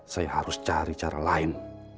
saya harus cari cara lain